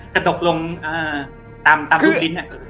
กระดกลงตามรูปลิ้น